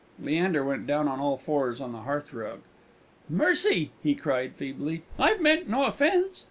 Leander went down on all fours on the hearthrug. "Mercy!" he cried, feebly. "I've meant no offence.